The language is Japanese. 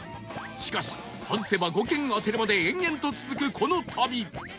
しかし外せば５軒当てるまで延々と続くこの旅